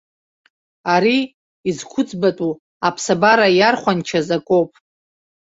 Ари изқәӡбатәу, аԥсабара иархәанчаз акоуп!